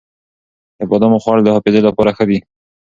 د بادامو خوړل د حافظې لپاره ښه دي.